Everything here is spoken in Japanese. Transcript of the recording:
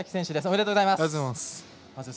おめでとうございます。